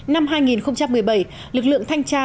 năm hai nghìn một mươi bảy lực lượng thanh tra